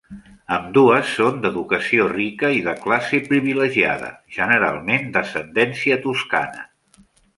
Ambdues són d'educació rica i de classe privilegiada, generalment d'ascendència toscana.